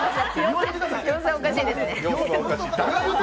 様子がおかしいですね。